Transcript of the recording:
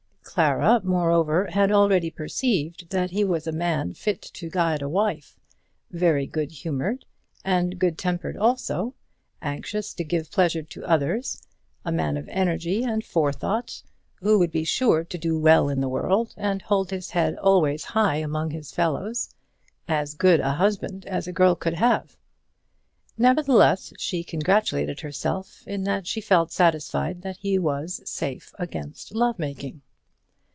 Clara, moreover, had already perceived that he was a man fit to guide a wife, very good humoured, and good tempered also, anxious to give pleasure to others, a man of energy and forethought, who would be sure to do well in the world and hold his head always high among his fellows; as good a husband as a girl could have. Nevertheless, she congratulated herself in that she felt satisfied that he was safe against love making!